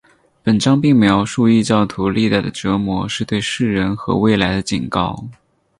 本章并描述异教徒历代的折磨是对世人和未来的警告。